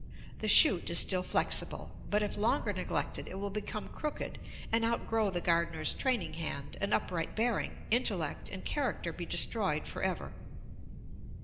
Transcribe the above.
The shoot is still flexible; but if longer neglected it will become crooked and outgrow the gardener's training hand, and upright bearing, intellect, and character be destroyed for ever....